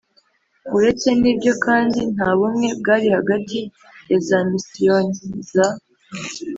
Uretse n ibyo kandi nta bumwe bwari hagati ya za misiyoni za